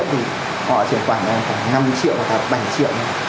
thì họ chuyển khoản cho em khoảng năm mươi triệu hoặc là bảy triệu